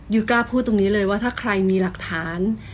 กล้าพูดตรงนี้เลยว่าถ้าใครมีหลักฐาน